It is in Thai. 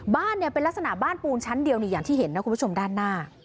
บ้านเนี่ยเป็นลักษณะบ้านปูนชั้นเดียวนี่อย่างที่เห็นนะคุณผู้ชมด้านหน้า